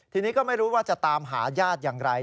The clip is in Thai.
ทีนี้ก็ไม่รู้ว่าจะตามหาญาติอย่างไร